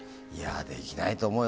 できないと思うよ。